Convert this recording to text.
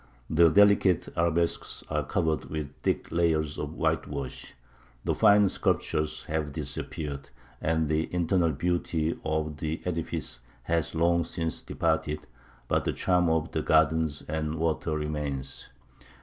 The delicate arabesques are covered with thick layers of whitewash; the fine sculptures have disappeared, and the internal beauty of the edifice has long since departed; but the charm of the gardens and waters remains.